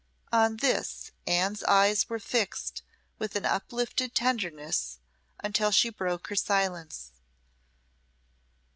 On this Anne's eyes were fixed with an uplifted tenderness until she broke her silence.